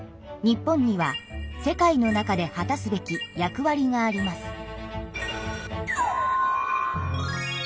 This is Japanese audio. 日本には世界の中で果たすべき役わりがあります。